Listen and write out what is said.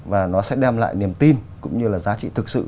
và nó sẽ đem lại niềm tin cũng như là giá trị thực sự